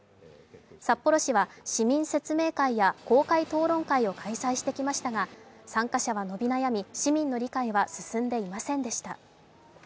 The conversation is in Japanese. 札幌市は市民説明会や公開討論会を開催してきましたが、参加者は伸び悩み、市民の理解は進んでいませんでした。